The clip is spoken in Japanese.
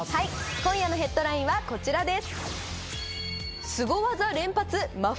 今夜のヘッドラインはこちらです。